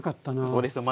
そうですよ。